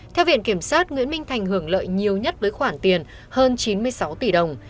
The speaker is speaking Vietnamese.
theo viện kiểm sát nguyễn minh thành hưởng lợi nhiều nhất với khoản tiền hơn chín mươi sáu tỷ đồng